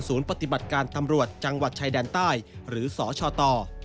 ปฏิบัติการตำรวจจังหวัดชายแดนใต้หรือสชต